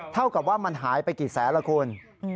เท่ากับว่ามันหายไปกี่แสนละคุณ